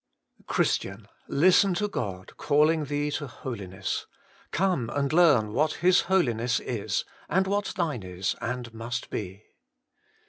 Christian! listen to God calling thee to Holiness. Come and learn what His Holiness is, and what thine is and must be.